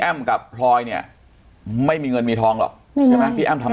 กับพลอยเนี่ยไม่มีเงินมีทองหรอกใช่ไหมพี่แอ้มทำ